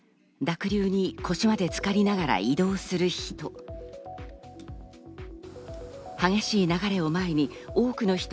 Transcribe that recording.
濁流に腰までつかりながら移動する人。